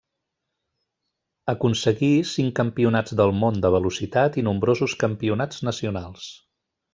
Aconseguí cinc Campionats del Món de velocitat i nombrosos campionats nacionals.